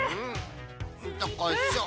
どっこいしょ！